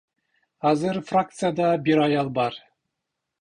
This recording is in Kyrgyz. Азыр фракцияда бир аял бар.